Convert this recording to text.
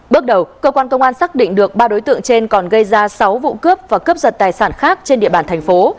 bước đầu cơ quan công an xác định được ba đối tượng trên còn gây ra sáu vụ cướp và cướp giật tài sản khác trên địa bàn thành phố